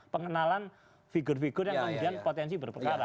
pengenalan figur figur yang kemudian potensi berperkara